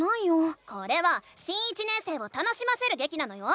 これは新１年生を楽しませるげきなのよ！